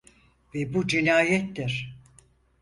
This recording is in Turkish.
Ve bu cinayettir.